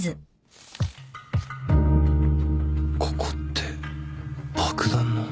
ここって爆弾の